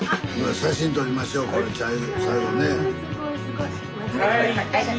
写真撮りましょう最後にね。